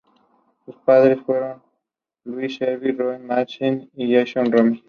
Lemona hasta el final de la temporada.